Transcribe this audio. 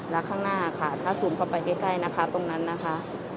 และข้างหน้าค่ะถ้าซูมเข้าไปใกล้นะคะตรงนั้นนะคะ